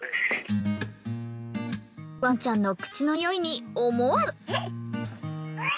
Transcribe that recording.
ワンちゃんの口のにおいに思わず。